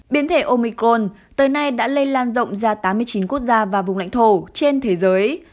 biến thể omicron tới nay đã lây lan rộng ra tám mươi chín quốc gia và vùng lãnh thổ trên thế giới